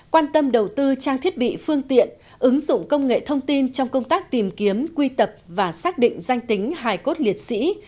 quan tâm đầu tư trang thiết bị phương tiện ứng dụng công nghệ thông tin trong công tác tìm kiếm quy tập và xác định danh tính hài cốt liệt sĩ